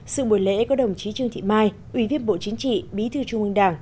sự buổi lễ có đồng chí trương thị mai ủy viên bộ chính trị bí thư trung ương đảng